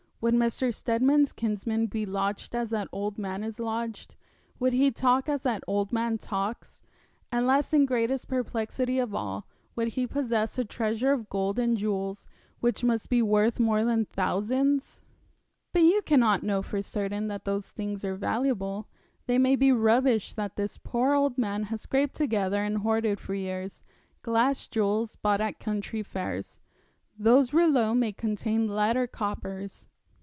Would Mr. Steadman's kinsman be lodged as that old man is lodged; would he talk as that old man talks; and last and greatest perplexity of all, would he possess a treasure of gold and jewels which must be worth many thousands?' 'But you cannot know for certain that those things are valuable; they may be rubbish that this poor old man has scraped together and hoarded for years, glass jewels bought at country fairs. Those rouleaux may contain lead or coppers.'